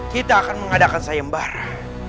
kita akan mengadakan sayang para